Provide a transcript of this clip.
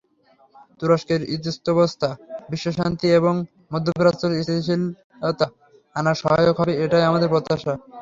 তুরস্কের স্থিতাবস্থা বিশ্বশান্তি এবং মধ্যপ্রাচ্যের স্থিতিশীলতা আনায় সহায়ক হবে, এটাই আমাদের প্রত্যাশা।